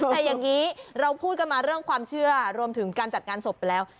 แต่อย่างนี้เราพูดกันมาเรื่องความเชื่อรวมถึงการจัดงานศพไปแล้ว